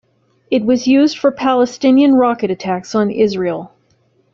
It was used for Palestinian rocket attacks on Israel.